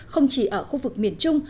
không chỉ ở khu vực miền trung